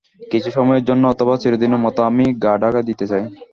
কিছু সময়ের জন্য অথবা চিরদিনের মত আমি গা-ঢাকা দিতে চাই।